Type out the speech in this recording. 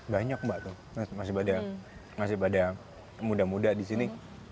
banyak mbak masih banyak yang muda muda di sini